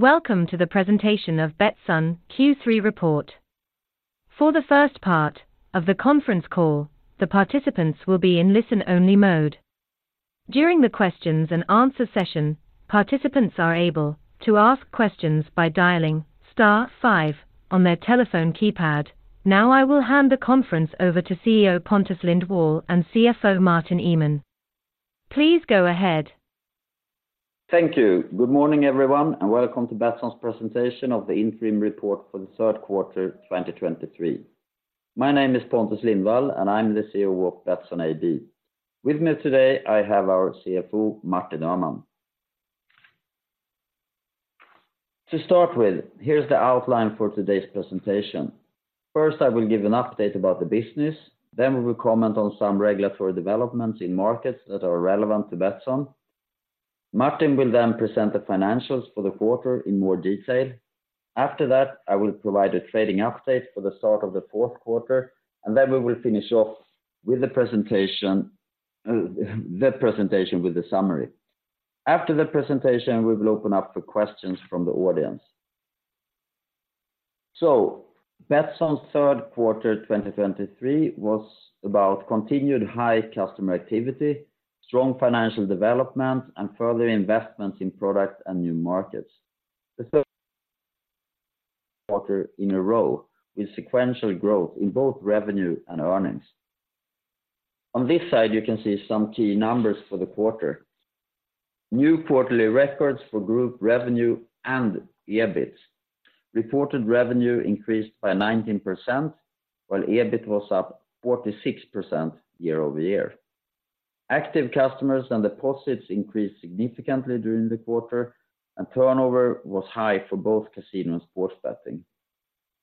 Welcome to the presentation of Betsson Q3 report. For the first part of the conference call, the participants will be in listen-only mode. During the questions and answer session, participants are able to ask questions by dialing star five on their telephone keypad. Now, I will hand the conference over to CEO Pontus Lindwall and CFO Martin Öhman. Please go ahead. Thank you. Good morning, everyone, and welcome to Betsson's presentation of the interim report for the third quarter, 2023. My name is Pontus Lindwall, and I'm the CEO of Betsson AB. With me today, I have our CFO, Martin Öhman. To start with, here's the outline for today's presentation. First, I will give an update about the business, then we will comment on some regulatory developments in markets that are relevant to Betsson. Martin will then present the financials for the quarter in more detail. After that, I will provide a trading update for the start of the fourth quarter, and then we will finish off with the presentation, the presentation with the summary. After the presentation, we will open up for questions from the audience. So Betsson's third quarter, 2023, was about continued high customer activity, strong financial development, and further investments in product and new markets. The third quarter in a row with sequential growth in both revenue and earnings. On this side, you can see some key numbers for the quarter. New quarterly records for group revenue and EBIT. Reported revenue increased by 19%, while EBIT was up 46% year-over-year. Active customers and deposits increased significantly during the quarter, and turnover was high for both casino and sports betting.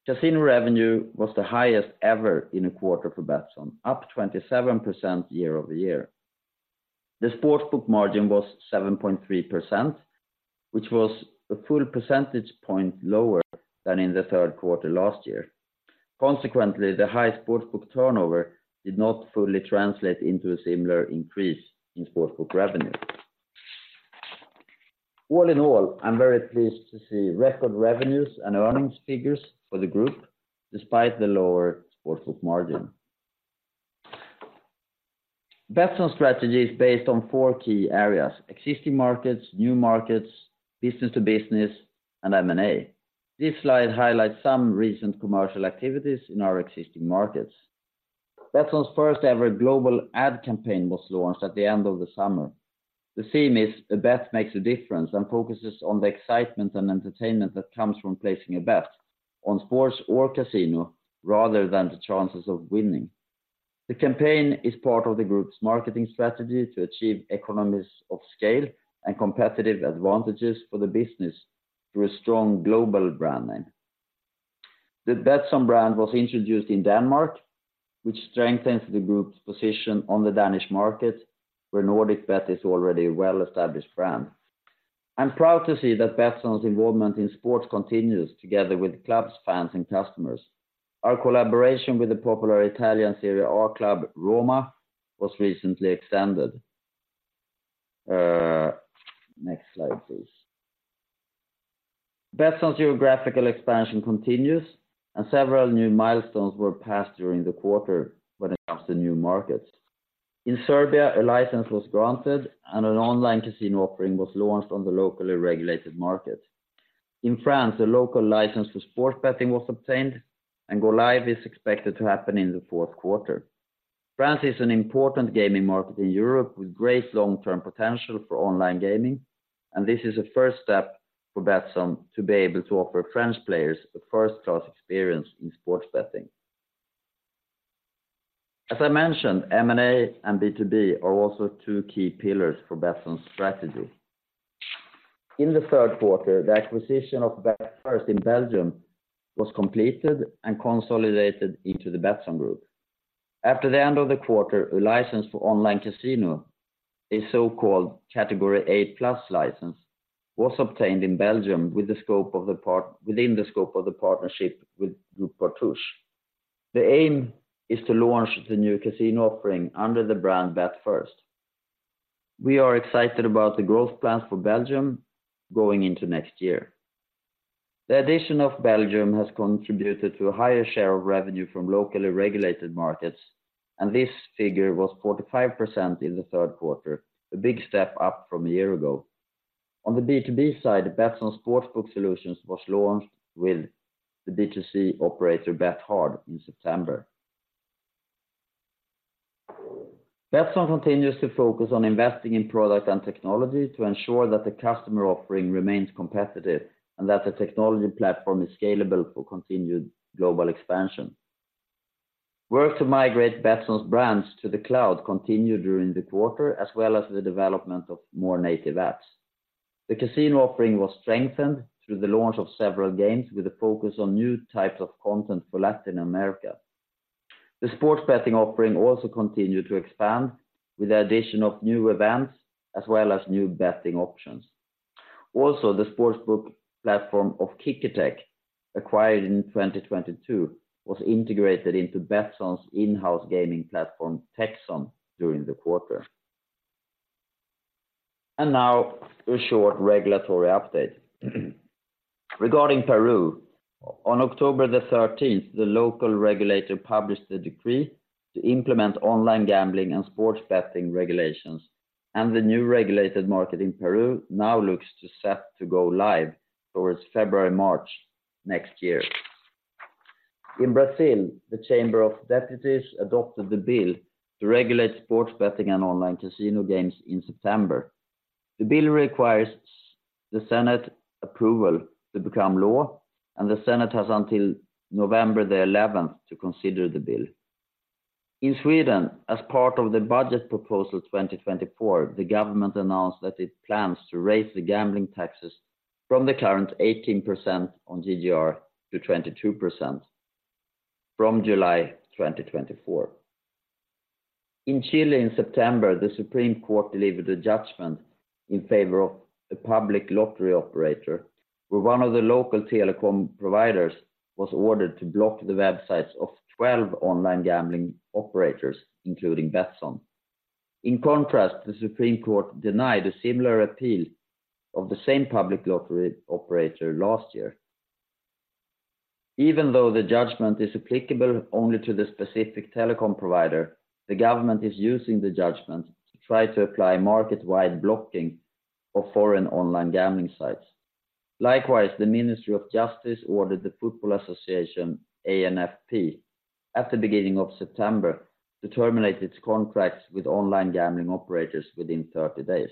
Casino revenue was the highest ever in a quarter for Betsson, up 27% year-over-year. The sportsbook margin was 7.3%, which was a full percentage point lower than in the third quarter last year. Consequently, the high sportsbook turnover did not fully translate into a similar increase in sportsbook revenue. All in all, I'm very pleased to see record revenues and earnings figures for the group, despite the lower sportsbook margin. Betsson's strategy is based on four key areas: existing markets, new markets, business to business, and M&A. This slide highlights some recent commercial activities in our existing markets. Betsson's first-ever global ad campaign was launched at the end of the summer. The theme is, "A bet makes a difference," and focuses on the excitement and entertainment that comes from placing a bet on sports or casino, rather than the chances of winning. The campaign is part of the group's marketing strategy to achieve economies of scale and competitive advantages for the business through a strong global brand name. The Betsson brand was introduced in Denmark, which strengthens the group's position on the Danish market, where NordicBet is already a well-established brand. I'm proud to see that Betsson's involvement in sports continues together with clubs, fans, and customers. Our collaboration with the popular Italian Serie A club, Roma, was recently extended. Next slide, please. Betsson's geographical expansion continues, and several new milestones were passed during the quarter when it comes to new markets. In Serbia, a license was granted, and an online casino offering was launched on the locally regulated market. In France, a local license for sports betting was obtained, and go live is expected to happen in the fourth quarter. France is an important gaming market in Europe with great long-term potential for online gaming, and this is a first step for Betsson to be able to offer French players a first-class experience in sports betting. As I mentioned, M&A and B2B are also two key pillars for Betsson's strategy. In the third quarter, the acquisition of betFIRST in Belgium was completed and consolidated into the Betsson Group. After the end of the quarter, a license for online casino, a so-called Category A+ license, was obtained in Belgium within the scope of the partnership with Groupe Partouche. The aim is to launch the new casino offering under the brand betFIRST. We are excited about the growth plans for Belgium going into next year. The addition of Belgium has contributed to a higher share of revenue from locally regulated markets, and this figure was 45% in the third quarter, a big step up from a year ago. On the B2B side, Betsson's Sportsbook solutions was launched with the B2C operator, Bethard, in September. Betsson continues to focus on investing in product and technology to ensure that the customer offering remains competitive and that the technology platform is scalable for continued global expansion. Work to migrate Betsson's brands to the cloud continued during the quarter, as well as the development of more native apps. The casino offering was strengthened through the launch of several games with a focus on new types of content for Latin America. The sports betting offering also continued to expand with the addition of new events as well as new betting options. Also, the sportsbook platform of KickerTech, acquired in 2022, was integrated into Betsson's in-house gaming platform, Techsson, during the quarter. Now, a short regulatory update. Regarding Peru, on October the 13th, the local regulator published the decree to implement online gambling and sports betting regulations, and the new regulated market in Peru now looks set to go live towards February, March next year. In Brazil, the Chamber of Deputies adopted the bill to regulate sports betting and online casino games in September. The bill requires the Senate approval to become law, and the Senate has until November the 11th to consider the bill. In Sweden, as part of the budget proposal 2024, the government announced that it plans to raise the gambling taxes from the current 18% on GGR to 22% from July 2024. In Chile, in September, the Supreme Court delivered a judgment in favor of the public lottery operator, where one of the local telecom providers was ordered to block the websites of 12 online gambling operators, including Betsson. In contrast, the Supreme Court denied a similar appeal of the same public lottery operator last year. Even though the judgment is applicable only to the specific telecom provider, the government is using the judgment to try to apply market-wide blocking of foreign online gambling sites. Likewise, the Ministry of Justice ordered the Football Association, ANFP, at the beginning of September, to terminate its contracts with online gambling operators within 30 days.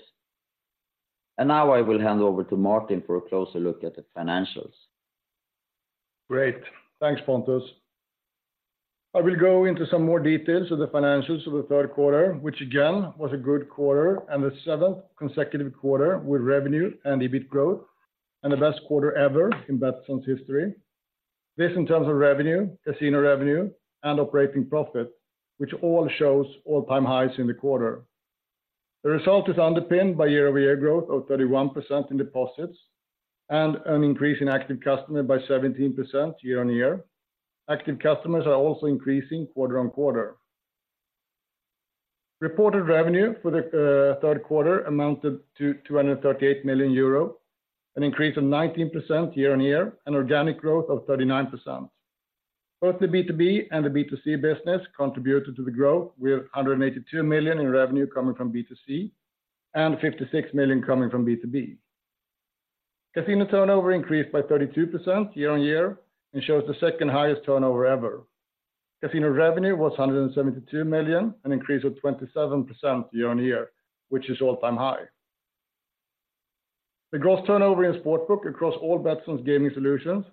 Now I will hand over to Martin for a closer look at the financials. Great. Thanks, Pontus. I will go into some more details of the financials of the third quarter, which again, was a good quarter and the seventh consecutive quarter with revenue and EBIT growth, and the best quarter ever in Betsson's history. This in terms of revenue, casino revenue, and operating profit, which all shows all-time highs in the quarter. The result is underpinned by year-over-year growth of 31% in deposits and an increase in active customer by 17% year-over-year. Active customers are also increasing quarter-over-quarter. Reported revenue for the third quarter amounted to 238 million euro, an increase of 19% year-over-year, and organic growth of 39%. Both the B2B and the B2C business contributed to the growth, with 182 million in revenue coming from B2C and 56 million coming from B2B. Casino turnover increased by 32% year-on-year and shows the second highest turnover ever. Casino revenue was 172 million, an increase of 27% year-on-year, which is all-time high. The gross turnover in Sportsbook across all Betsson's gaming solutions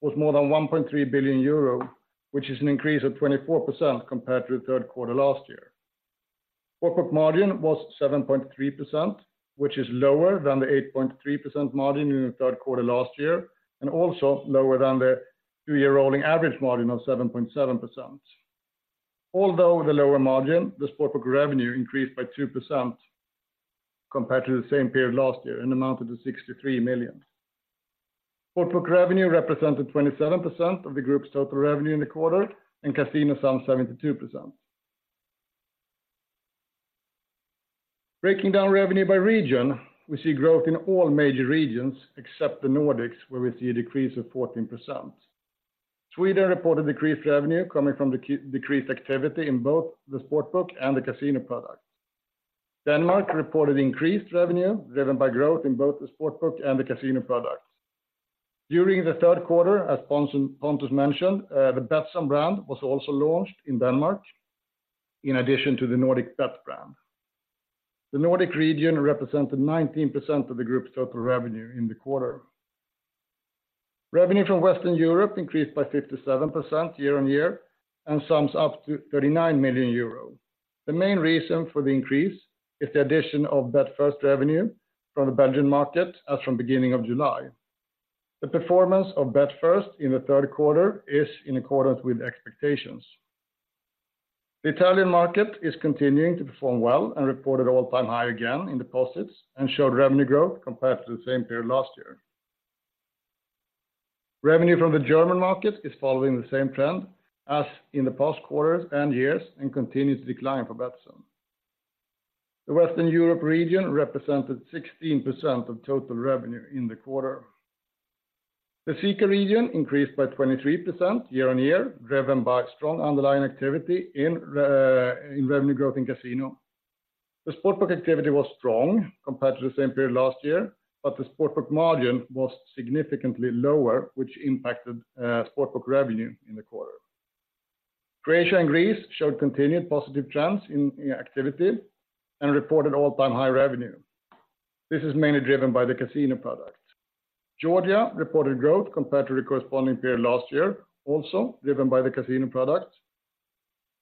was more than 1.3 billion euro, which is an increase of 24% compared to the third quarter last year. Sportsbook margin was 7.3%, which is lower than the 8.3% margin in the third quarter last year, and also lower than the two-year rolling average margin of 7.7%. Although the lower margin, the Sportsbook revenue increased by 2% compared to the same period last year and amounted to 63 million. Sportsbook revenue represented 27% of the group's total revenue in the quarter, and casino some 72%. Breaking down revenue by region, we see growth in all major regions except the Nordics, where we see a decrease of 14%. Sweden reported decreased revenue coming from decreased activity in both the Sportsbook and the casino products. Denmark reported increased revenue, driven by growth in both the Sportsbook and the casino products. During the third quarter, as Pontus mentioned, the Betsson brand was also launched in Denmark, in addition to the NordicBet brand. The Nordic region represented 19% of the group's total revenue in the quarter. Revenue from Western Europe increased by 57% year-on-year and sums up to 39 million euros. The main reason for the increase is the addition of betFIRST revenue from the Belgian market as from beginning of July. The performance of betFIRST in the third quarter is in accordance with expectations. The Italian market is continuing to perform well and reported all-time high again in deposits and showed revenue growth compared to the same period last year. Revenue from the German market is following the same trend as in the past quarters and years and continues to decline for Betsson. The Western Europe region represented 16% of total revenue in the quarter. The CEECA region increased by 23% year-on-year, driven by strong underlying activity in revenue growth in casino. The Sportsbook activity was strong compared to the same period last year, but the Sportsbook margin was significantly lower, which impacted Sportsbook revenue in the quarter. Croatia and Greece showed continued positive trends in activity and reported all-time high revenue. This is mainly driven by the casino products. Georgia reported growth compared to the corresponding period last year, also driven by the casino products.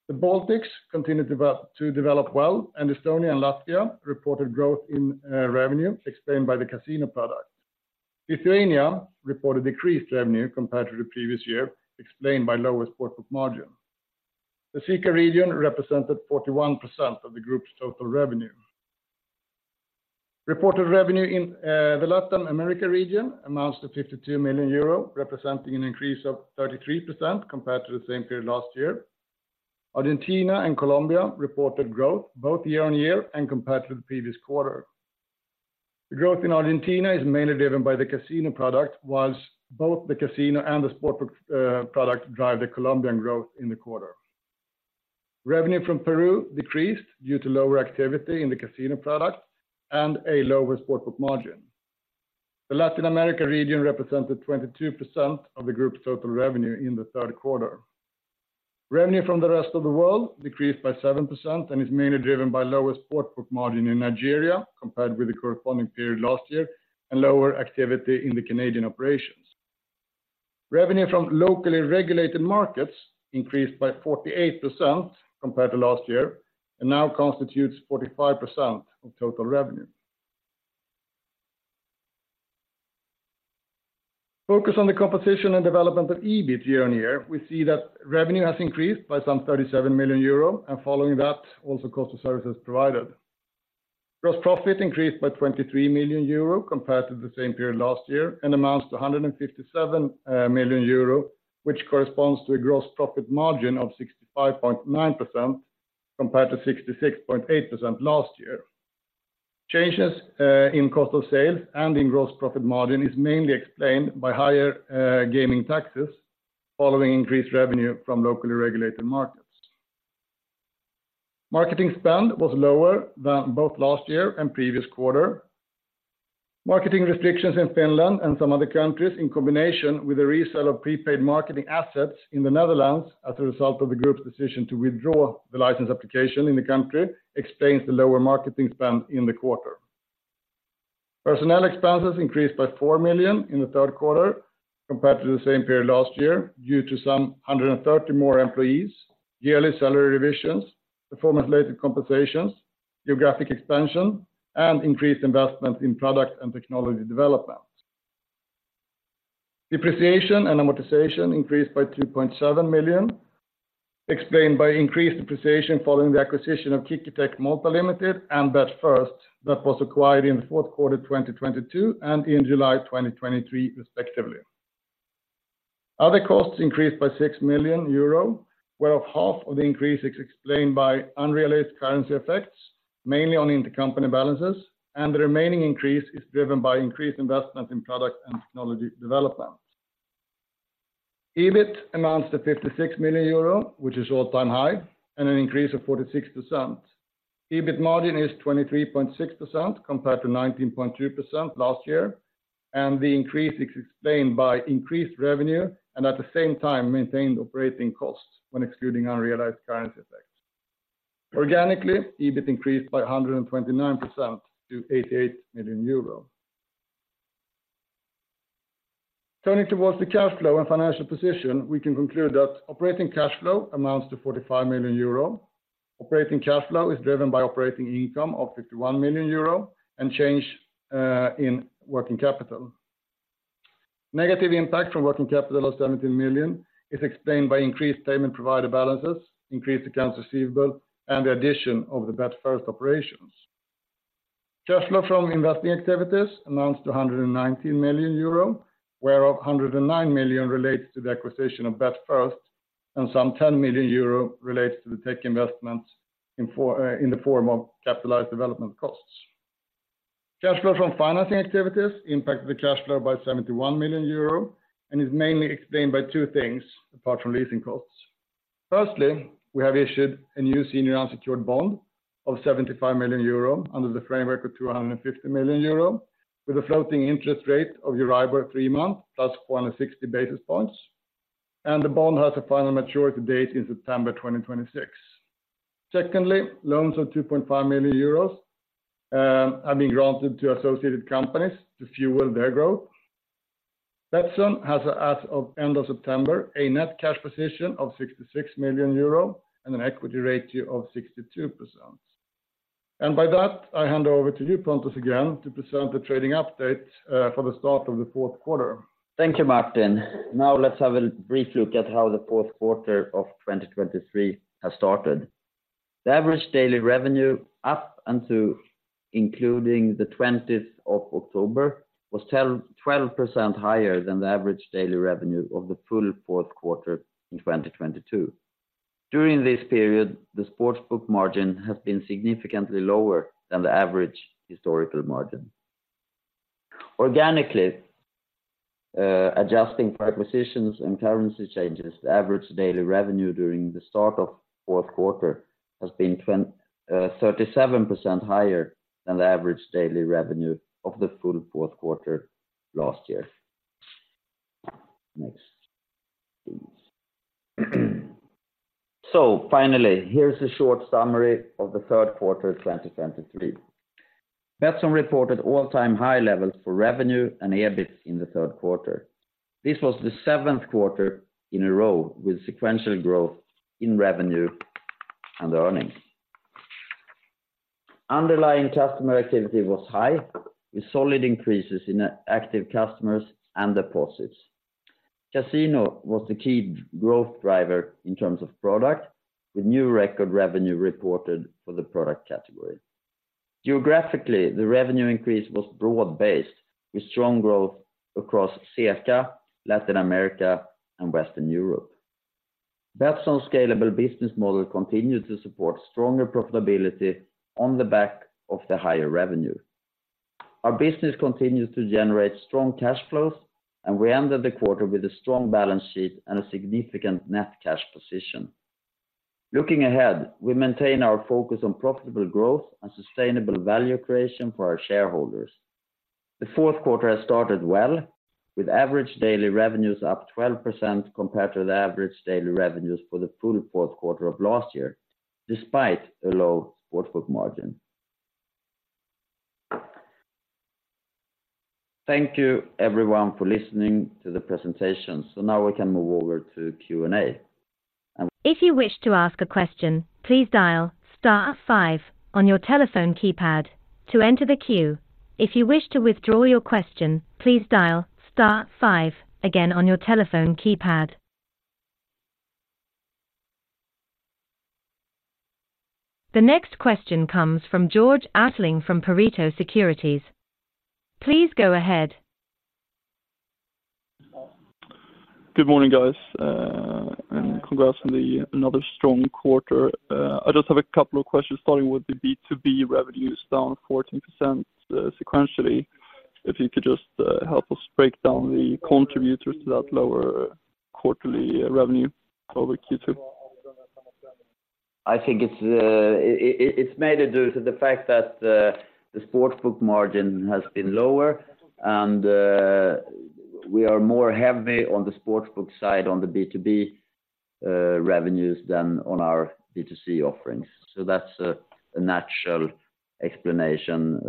The Baltics continued to develop well, and Estonia and Latvia reported growth in revenue, explained by the casino products. Lithuania reported decreased revenue compared to the previous year, explained by lower Sportsbook margin. The CEECA region represented 41% of the group's total revenue. Reported revenue in the Latin America region amounts to 52 million euro, representing an increase of 33% compared to the same period last year. Argentina and Colombia reported growth, both year-on-year and compared to the previous quarter. The growth in Argentina is mainly driven by the casino product, while both the casino and the sportsbook product drive the Colombian growth in the quarter. Revenue from Peru decreased due to lower activity in the casino product and a lower sportsbook margin. The Latin America region represented 22% of the group's total revenue in the third quarter. Revenue from the rest of the world decreased by 7%, and is mainly driven by lower sportsbook margin in Nigeria, compared with the corresponding period last year, and lower activity in the Canadian operations. Revenue from locally regulated markets increased by 48% compared to last year, and now constitutes 45% of total revenue. Focus on the composition and development of EBIT year-on-year, we see that revenue has increased by some 37 million euro, and following that, also cost of services provided. Gross profit increased by 23 million euro compared to the same period last year, and amounts to 157 million euro, which corresponds to a gross profit margin of 65.9%, compared to 66.8% last year. Changes in cost of sales and in gross profit margin is mainly explained by higher gaming taxes following increased revenue from locally regulated markets. Marketing spend was lower than both last year and previous quarter. Marketing restrictions in Finland and some other countries, in combination with the resale of prepaid marketing assets in the Netherlands as a result of the group's decision to withdraw the license application in the country, explains the lower marketing spend in the quarter. Personnel expenses increased by 4 million in the third quarter compared to the same period last year, due to some 130 more employees, yearly salary revisions, performance-related compensations, geographic expansion, and increased investment in product and technology development. Depreciation and amortization increased by 2.7 million, explained by increased depreciation following the acquisition of KickerTech Malta Limited, and betFIRST, that was acquired in the fourth quarter, 2022 and in July 2023, respectively. Other costs increased by 6 million euro, whereof half of the increase is explained by unrealized currency effects, mainly on intercompany balances, and the remaining increase is driven by increased investment in product and technology development. EBIT amounts to 56 million euro, which is all-time high, and an increase of 46%. EBIT margin is 23.6%, compared to 19.2% last year, and the increase is explained by increased revenue, and at the same time, maintained operating costs when excluding unrealized currency effects. Organically, EBIT increased by 129% to 88 million euros. Turning towards the cash flow and financial position, we can conclude that operating cash flow amounts to 45 million euro. Operating cash flow is driven by operating income of 51 million euro and change in working capital. Negative impact from working capital of 17 million is explained by increased payment provider balances, increased accounts receivable, and the addition of the betFIRST operations. Cash flow from investing activities amounts to 119 million euro, whereof 109 million relates to the acquisition of betFIRST, and some 10 million euro relates to the tech investments in the form of capitalized development costs. Cash flow from financing activities impacted the cash flow by 71 million euro, and is mainly explained by two things, apart from leasing costs. Firstly, we have issued a new senior unsecured bond of 75 million euro under the framework of 250 million euro, with a floating interest rate of EURIBOR three-month, plus 160 basis points, and the bond has a final maturity date in September 2026. Secondly, loans of 2.5 million euros have been granted to associated companies to fuel their growth. Betsson has, as of end of September, a net cash position of 66 million euro and an equity ratio of 62%. And by that, I hand over to you, Pontus, again, to present the trading update for the start of the fourth quarter. Thank you, Martin. Now, let's have a brief look at how the fourth quarter of 2023 has started. The average daily revenue, up until including the 20th of October, was 12% higher than the average daily revenue of the full fourth quarter in 2022. During this period, the sportsbook margin has been significantly lower than the average historical margin. Organically, adjusting for acquisitions and currency changes, the average daily revenue during the start of fourth quarter has been 37% higher than the average daily revenue of the full fourth quarter last year. Next, please. So finally, here's a short summary of the third quarter of 2023. Betsson reported all-time high levels for revenue and EBIT in the third quarter. This was the seventh quarter in a row with sequential growth in revenue and earnings. Underlying customer activity was high, with solid increases in active customers and deposits. Casino was the key growth driver in terms of product, with new record revenue reported for the product category. Geographically, the revenue increase was broad-based, with strong growth across CEECA, Latin America, and Western Europe. Betsson's scalable business model continued to support stronger profitability on the back of the higher revenue. Our business continues to generate strong cash flows, and we ended the quarter with a strong balance sheet and a significant net cash position. Looking ahead, we maintain our focus on profitable growth and sustainable value creation for our shareholders. The fourth quarter has started well, with average daily revenues up 12% compared to the average daily revenues for the full fourth quarter of last year, despite a low sportsbook margin. Thank you everyone for listening to the presentation. Now we can move over to Q&A. If you wish to ask a question, please dial star five on your telephone keypad to enter the queue. If you wish to withdraw your question, please dial star five again on your telephone keypad. The next question comes from Georg Attling from Pareto Securities. Please go ahead. Good morning, guys, and congrats on the another strong quarter. I just have a couple of questions, starting with the B2B revenues down 14%, sequentially. If you could just help us break down the contributors to that lower quarterly revenue over Q2. I think it's mainly due to the fact that the Sportsbook margin has been lower, and we are more heavy on the Sportsbook side, on the B2B revenues than on our B2C offerings. So that's a natural explanation.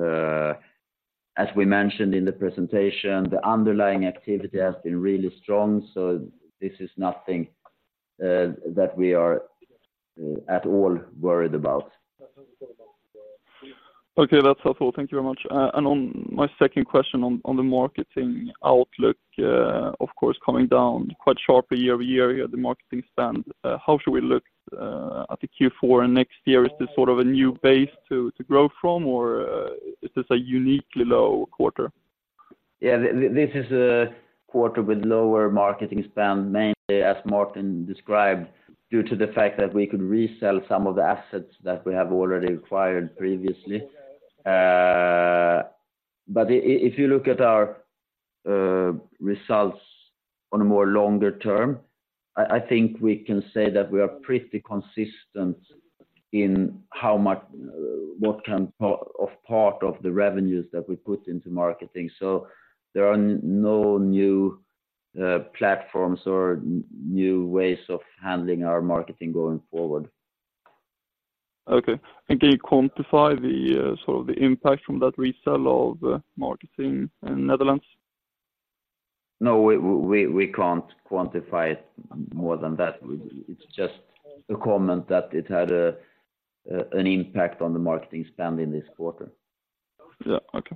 As we mentioned in the presentation, the underlying activity has been really strong, so this is nothing that we are at all worried about. Okay, that's helpful. Thank you very much. And on my second question on the marketing outlook, of course, coming down quite sharply year-over-year, the marketing spend, how should we look at the Q4 and next year? Is this sort of a new base to grow from, or is this a uniquely low quarter? Yeah, this is a quarter with lower marketing spend, mainly as Martin described, due to the fact that we could resell some of the assets that we have already acquired previously. But if you look at our results on a more longer term, I think we can say that we are pretty consistent in how much, what kind of part of the revenues that we put into marketing. So there are no new platforms or new ways of handling our marketing going forward. Okay. And can you quantify the sort of impact from that resale of marketing in Netherlands? No, we can't quantify it more than that. It's just a comment that it had an impact on the marketing spend in this quarter. Yeah. Okay.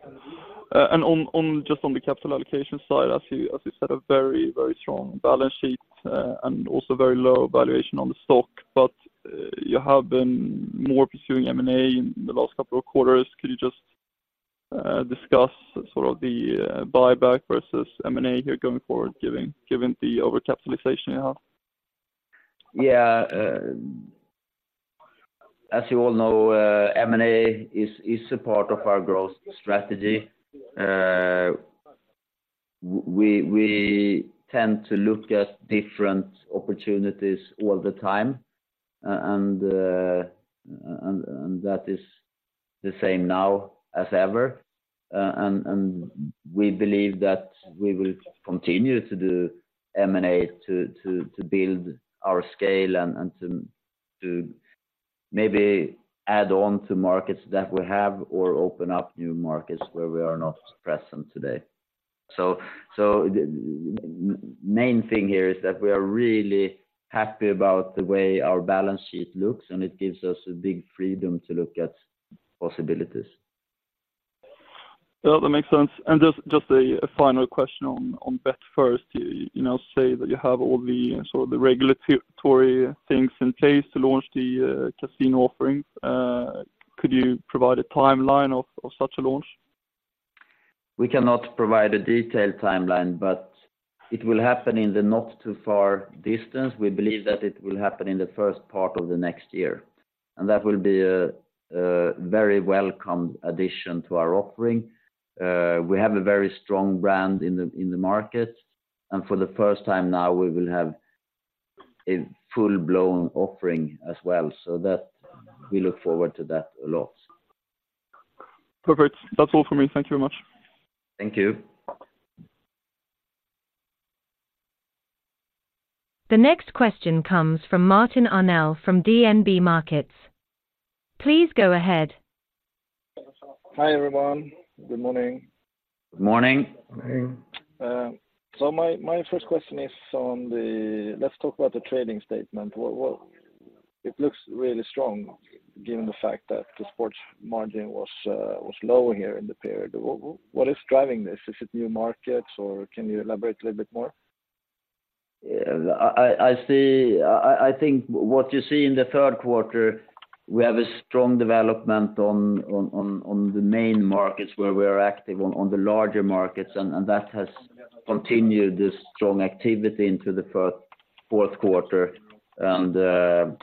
And just on the capital allocation side, as you said, a very, very strong balance sheet, and also very low valuation on the stock, but you have been more pursuing M&A in the last couple of quarters. Could you just discuss sort of the buyback versus M&A here going forward, given the overcapitalization you have? Yeah, as you all know, M&A is a part of our growth strategy. We tend to look at different opportunities all the time, and that is the same now as ever. And we believe that we will continue to do M&A to build our scale and to maybe add on to markets that we have or open up new markets where we are not present today. So the main thing here is that we are really happy about the way our balance sheet looks, and it gives us a big freedom to look at possibilities. Well, that makes sense. Just a final question on betFIRST. You know, say that you have all the sort of the regulatory things in place to launch the casino offering. Could you provide a timeline of such a launch? We cannot provide a detailed timeline, but it will happen in the not too far distance. We believe that it will happen in the first part of the next year, and that will be a very welcome addition to our offering. We have a very strong brand in the market, and for the first time now, we will have a full-blown offering as well, so that we look forward to that a lot. Perfect. That's all for me. Thank you very much. Thank you. The next question comes from Martin Arnell from DNB Markets. Please go ahead. Hi, everyone. Good morning. Good morning. Morning. So my first question is on the... Let's talk about the trading statement. It looks really strong given the fact that the sports margin was low here in the period. What is driving this? Is it new markets, or can you elaborate a little bit more? Yeah, I see. I think what you see in the third quarter, we have a strong development on the main markets where we are active on the larger markets, and that has continued this strong activity into the fourth quarter. And,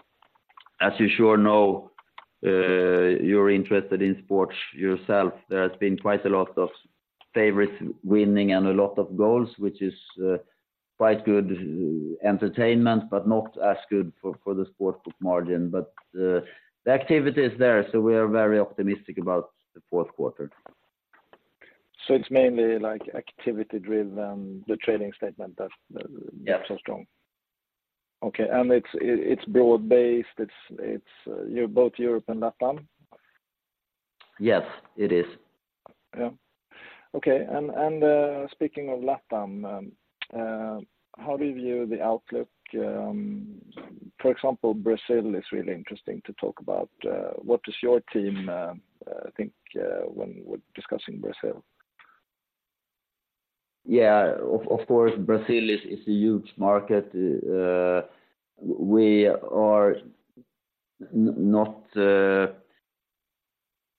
as you surely know, you're interested in sports yourself, there has been quite a lot of favorites winning and a lot of goals, which is quite good entertainment, but not as good for the sportsbook margin. But, the activity is there, so we are very optimistic about the fourth quarter. It's mainly like activity driven, the trading statement that- Yeah. Is so strong. Okay, and it's, it's broad-based, it's, it's, you're both Europe and LATAM? Yes, it is. Yeah. Okay, and speaking of LATAM, how do you view the outlook? For example, Brazil is really interesting to talk about. What does your team think when we're discussing Brazil? Yeah, of course, Brazil is a huge market. We are not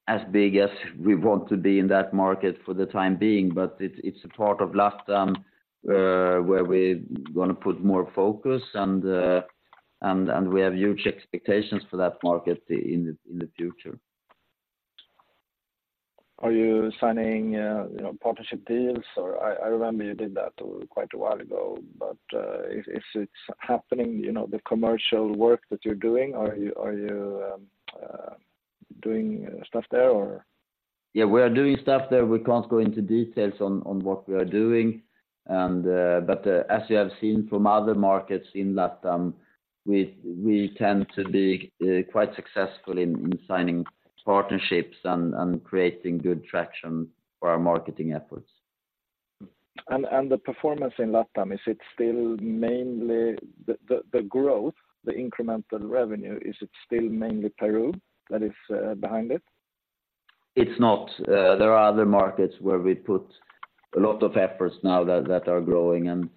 as big as we want to be in that market for the time being, but it's a part of LATAM where we wanna put more focus, and we have huge expectations for that market in the future. Are you signing, you know, partnership deals? Or I remember you did that quite a while ago, but, is it happening, you know, the commercial work that you're doing, are you doing stuff there, or? Yeah, we are doing stuff there. We can't go into details on what we are doing, but as you have seen from other markets in LATAM, we tend to be quite successful in signing partnerships and creating good traction for our marketing efforts. The performance in LATAM, is it still mainly the growth, the incremental revenue, is it still mainly Peru that is behind it? It's not. There are other markets where we put a lot of efforts now that, that are growing, and,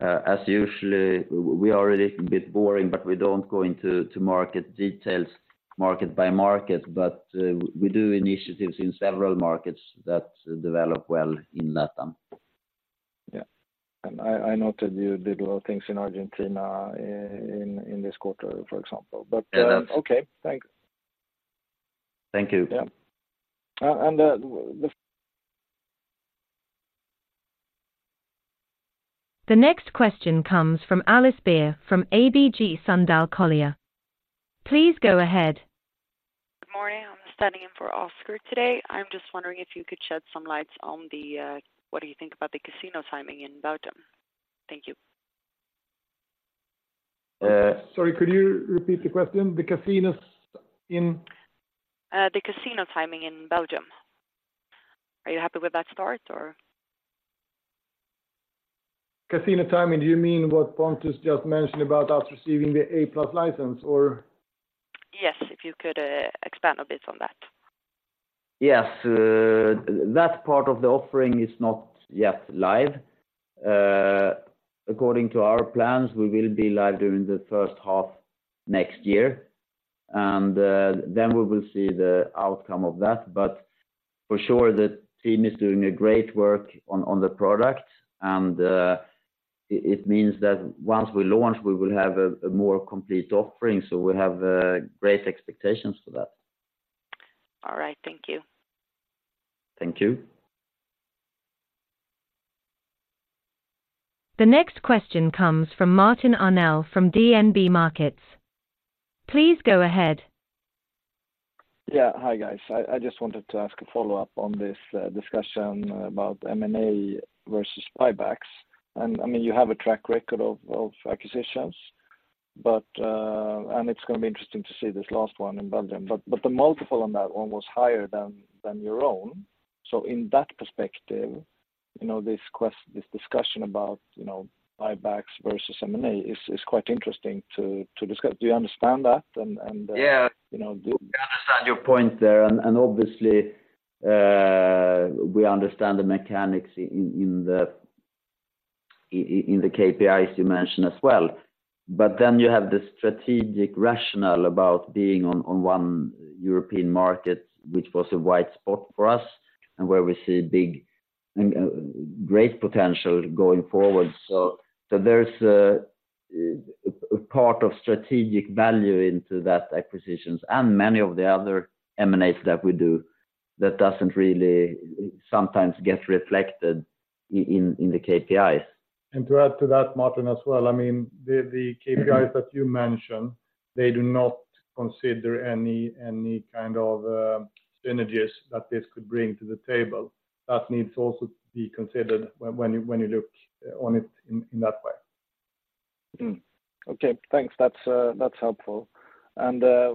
as usual, we are a little bit boring, but we don't go into the market details, market by market, but, we do initiatives in several markets that develop well in LATAM. Yeah. And I noted you did a lot of things in Argentina, in this quarter, for example. Yes. But, okay, thanks. Thank you. Yeah. And the f- The next question comes from Alice Beer from ABG Sundal Collier. Please go ahead. Good morning, I'm standing in for Oscar today. I'm just wondering if you could shed some light on the what do you think about the casino timing in Belgium? Thank you. Uh- Sorry, could you repeat the question? The casinos in... The casino timing in Belgium. Are you happy with that start, or? Casino timing, do you mean what Pontus just mentioned about us receiving the A-plus license, or? Yes, if you could, expand a bit on that. Yes, that part of the offering is not yet live. According to our plans, we will be live during the first half next year, and then we will see the outcome of that. But for sure, the team is doing a great work on the product, and it means that once we launch, we will have a more complete offering, so we have great expectations for that. All right. Thank you. Thank you. The next question comes from Martin Arnell from DNB Markets. Please go ahead. Yeah. Hi, guys. I just wanted to ask a follow-up on this discussion about M&A versus buybacks. And I mean, you have a track record of acquisitions, but it's going to be interesting to see this last one in Belgium, but the multiple on that one was higher than your own. So in that perspective, you know, this discussion about buybacks versus M&A is quite interesting to discuss. Do you understand that and? Yeah. You know. We understand your point there, and obviously, we understand the mechanics in the KPIs you mentioned as well. But then you have the strategic rationale about being on one European market, which was a wide spot for us, and where we see big and great potential going forward. So there's a part of strategic value into that acquisitions and many of the other M&As that we do that doesn't really sometimes get reflected in the KPIs. To add to that, Martin, as well, I mean, the KPIs that you mention, they do not consider any kind of synergies that this could bring to the table. That needs also to be considered when you look on it in that way. Okay, thanks. That's, that's helpful. And, I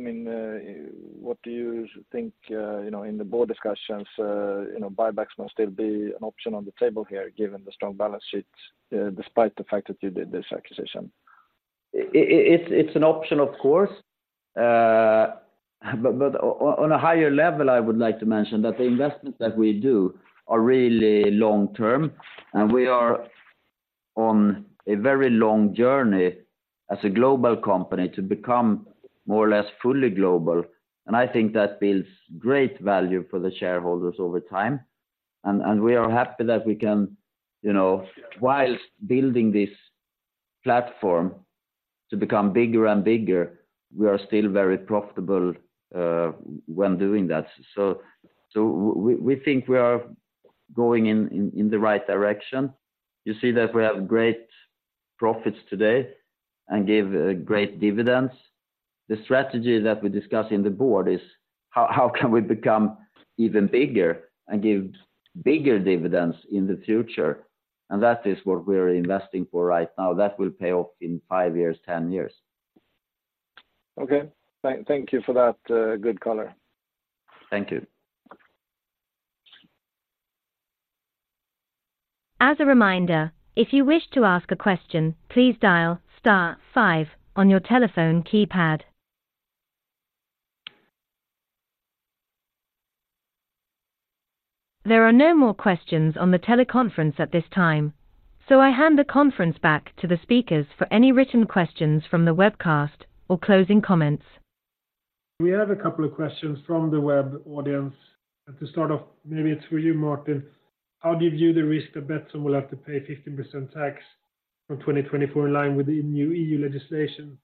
mean, what do you think, you know, in the board discussions, you know, buybacks must still be an option on the table here, given the strong balance sheets, despite the fact that you did this acquisition? It's an option, of course. But on a higher level, I would like to mention that the investments that we do are really long-term, and we are on a very long journey as a global company to become more or less fully global. And I think that builds great value for the shareholders over time, and we are happy that we can, you know, whilst building this platform to become bigger and bigger, we are still very profitable when doing that. So we think we are going in the right direction. You see that we have great profits today and give great dividends. The strategy that we discuss in the board is how can we become even bigger and give bigger dividends in the future? And that is what we're investing for right now. That will pay off in five years, 10 years. Okay. Thank you for that, good color. Thank you. As a reminder, if you wish to ask a question, please dial star five on your telephone keypad. There are no more questions on the teleconference at this time, so I hand the conference back to the speakers for any written questions from the webcast or closing comments. We have a couple of questions from the web audience. To start off, maybe it's for you, Martin: How do you view the risk that Betsson will have to pay 15% tax from 2024 in line with the new EU legislation?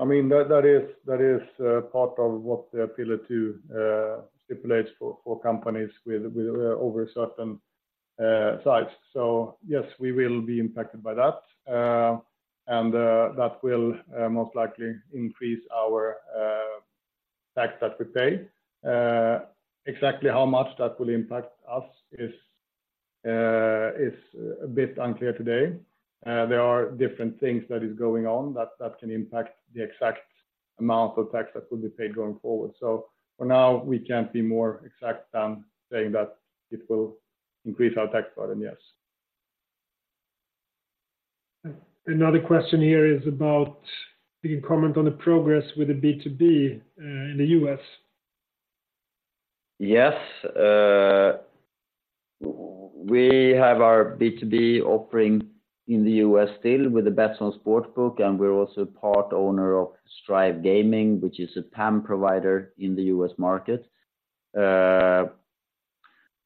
I mean, that is part of what the Pillar Two stipulates for companies with over a certain size. So yes, we will be impacted by that, and that will most likely increase our tax that we pay. Exactly how much that will impact us is a bit unclear today. There are different things that is going on that can impact the exact amount of tax that will be paid going forward. So for now, we can't be more exact than saying that it will increase our tax burden, yes. Another question here is about if you can comment on the progress with the B2B in the U.S.. Yes. We have our B2B offering in the U.S. still with the Betsson Sportsbook, and we're also part owner of Strive Gaming, which is a PAM provider in the U.S. market.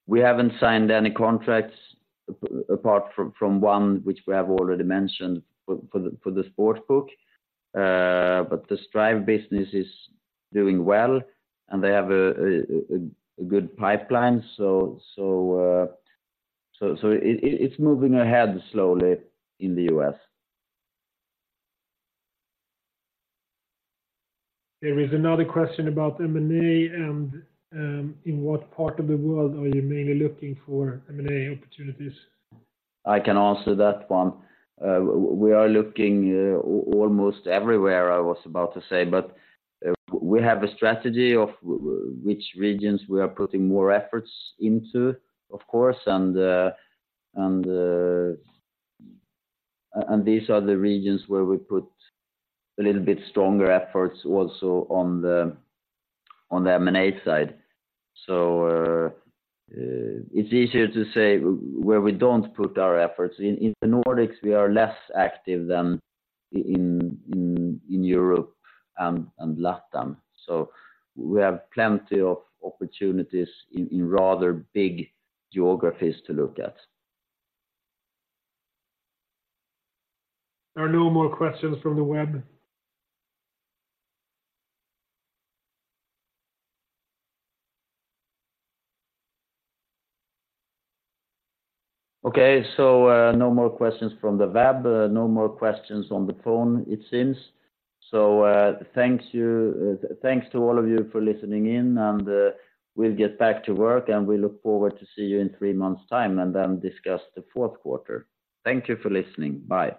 We haven't signed any contracts apart from one which we have already mentioned for the sportsbook. But the Strive business is doing well, and they have a good pipeline. So, it's moving ahead slowly in the U.S.. There is another question about M&A and, in what part of the world are you mainly looking for M&A opportunities? I can answer that one. We are looking almost everywhere, I was about to say. But, we have a strategy of which regions we are putting more efforts into, of course, and these are the regions where we put a little bit stronger efforts also on the M&A side. So, it's easier to say where we don't put our efforts. In the Nordics, we are less active than in Europe and LATAM. So we have plenty of opportunities in rather big geographies to look at. There are no more questions from the web. Okay. So, no more questions from the web, no more questions on the phone, it seems. So, thanks to all of you for listening in, and, we'll get back to work, and we look forward to see you in three months' time, and then discuss the fourth quarter. Thank you for listening. Bye.